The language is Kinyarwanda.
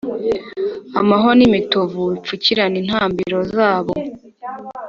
amahwa n’ibitovu bipfukirane intambiro zabo,